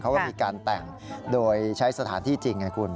เขาบอกว่ามีการแต่งโดยใช้สถานที่จริง